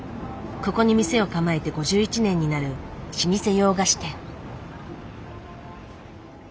ここに店を構えて５１年になる老舗洋菓子店。